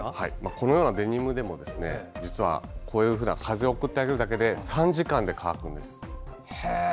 このようなデニムでも風を送ってあげるだけで３時間で乾くんです。